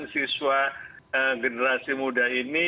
siswa generasi muda ini